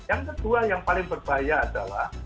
yang kedua yang paling berbahaya adalah